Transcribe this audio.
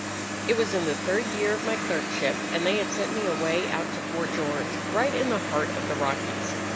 "It was in the third year of my clerkship, and they had sent me away out to Fort George, right in the heart of the Rockies.